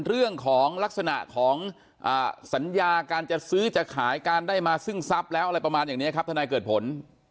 เรื่องของลักษณะของสัญญาการจะซื้อจะขายการได้มาซึ่งทรัพย์แล้วอะไรประมาณอย่างนี้ครับทนายเกิดผล